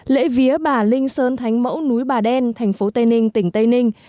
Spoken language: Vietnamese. lễ vía bà linh sơn thánh mẫu núi bà đen thành phố tây ninh tỉnh tây ninh